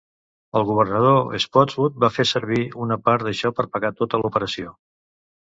El Governador Spotswood va fer servir una part d'això per pagar tota la operació.